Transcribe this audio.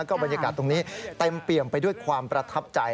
บรรยากาศตรงนี้เต็มเปี่ยมไปด้วยความประทับใจ